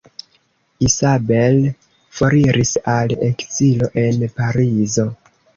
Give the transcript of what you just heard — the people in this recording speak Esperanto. Isabel foriris al ekzilo en Parizo.